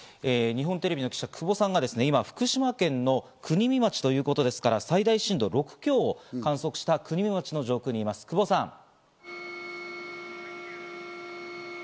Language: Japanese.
日本テレビの記者・久保さんが今、福島県の国見町ということですから、最大震度６強を観測した国見町の上空にいます、久保さん。